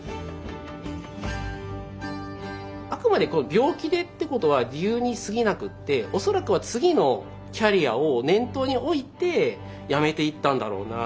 あくまでこの病気でってことは理由にすぎなくって恐らくは次のキャリアを念頭に置いて辞めていったんだろうな。